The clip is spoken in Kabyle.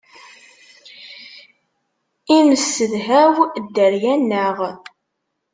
I nesedhaw dderya-nneɣ.